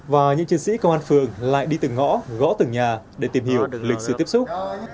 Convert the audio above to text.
và những chiến sĩ công an phường lại đi từng ngõ gõ từng nhà để tìm hiểu lịch sử tiếp xúc